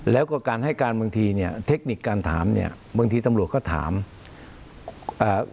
แล้วก็การให้การบางทีเนี้ยเทคนิคการถามเนี่ยบางทีตำรวจก็ถามอ่า